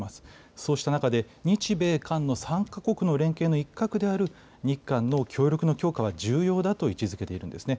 そうした中で、日米韓の３か国の連携の一角である日韓の協力の強化は重要だと位置づけているんですね。